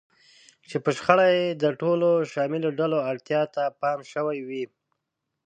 چې په شخړه کې د ټولو شاملو ډلو اړتیا ته پام شوی وي.